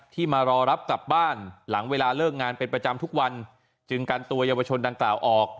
มารอรับกลับบ้านหลังเวลาเลิกงานเป็นประจำทุกวันจึงกันตัวเยาวชนดังกล่าวออก